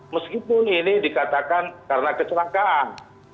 meskipun ini dikatakan karena kecelakaan